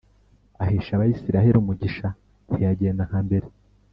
ahesha Abisirayeli umugisha ntiyagenda nka mbere